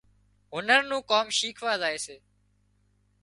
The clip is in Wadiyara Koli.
هنر نُون ڪام شيکوا زائي سي